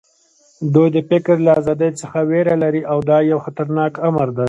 دوی د فکر له ازادۍ څخه وېره لري او دا یو خطرناک امر دی